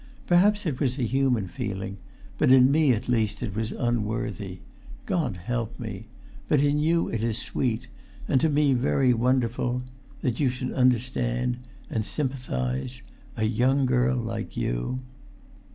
Perhaps it was a human feeling; but in me at least it was unworthy. God help me! But in you it is sweet, and to me very wonderful ... that you should understand and sympathise ... a young girl like you!"